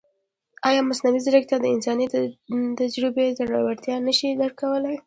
ایا مصنوعي ځیرکتیا د انساني تجربې ژورتیا نه شي درک کولی؟